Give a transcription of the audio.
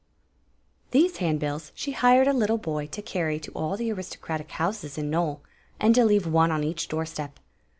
These handbills she hired a little boy to carry to all the aristocratic houses in Nole, and to leave one on each door step.